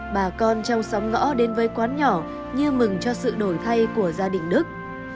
bà con trong sóng ngõ đến với quán nhỏ như mừng cho sự đổi thay của gia đình đức